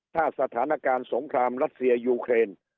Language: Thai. ถ้าสถานการณ์สงครามรัสเซียยูเครน